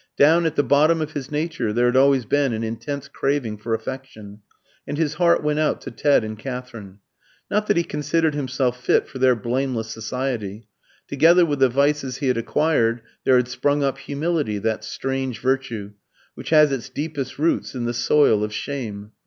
Down at the bottom of his nature there had always been an intense craving for affection, and his heart went out to Ted and Katherine. Not that he considered himself fit for their blameless society. Together with the vices he had acquired there had sprung up humility, that strange virtue, which has its deepest roots in the soil of shame.